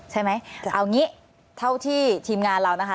ใช่ไหมเอางี้เท่าที่ทีมงานเรานะคะ